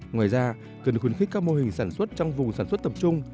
ngoài ra cần khuyến khích các mô hình sản xuất trong vùng sản xuất tập trung